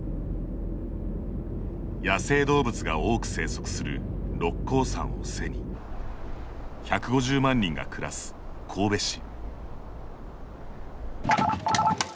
野生動物が多く生息する六甲山を背に１５０万人が暮らす神戸市。